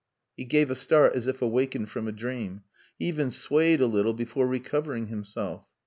He gave a start as if awakened from a dream. He even swayed a little before recovering himself.